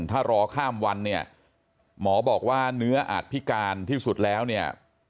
ถ้ารอข้ามวันเนี่ยหมอบอกว่าเนื้ออาจพิการที่สุดแล้วเนี่ย